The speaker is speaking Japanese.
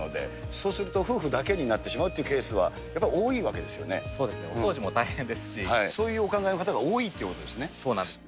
そうすると夫婦だけになってしまうっていうケースはやっぱり多いそうですね、お掃除も大変でそういうお考えの方が多いとそうなんです。